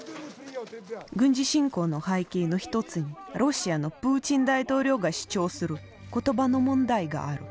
軍事侵攻の背景の一つにロシアのプーチン大統領が主張する言葉の問題がある。